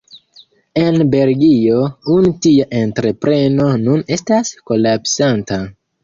En Belgio unu tia entrepreno nun estas kolapsanta.